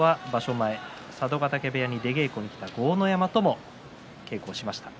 前、佐渡ヶ嶽部屋に出稽古に行った豪ノ山と稽古をしました。